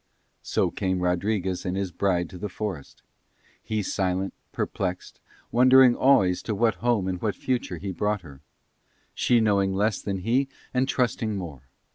So came Rodriguez and his bride to the forest; he silent, perplexed, wondering always to what home and what future he brought her; she knowing less than he and trusting more.